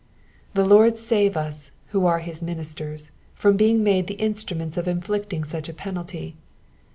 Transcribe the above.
The Lord save us, who are his ministers, from being made the instruments of inflicting such a penalty.